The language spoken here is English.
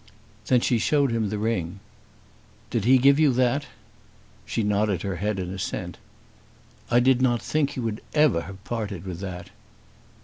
Then she showed him the ring. "Did he give you that?" She nodded her head in assent. "I did not think he would ever have parted with that."